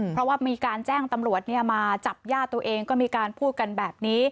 เพราะว่ามีการแจ้งตำรวจมาจับย่าตัวเองก็มีการพูดกันแบบนี้